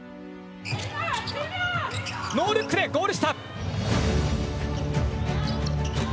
ノールックでゴール下！